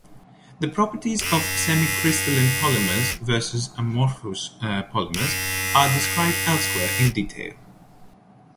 The properties of semicrystalline polymers v amorphous polymers are described elsewhere in detail.